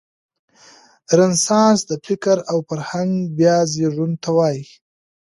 رنسانس د فکر او فرهنګ بیا زېږون ته وايي.